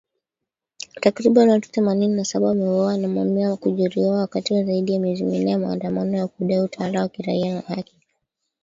Takribani watu themanini na saba wameuawa na mamia kujeruhiwa wakati wa zaidi ya miezi minne ya maandamano ya kudai utawala wa kiraia na haki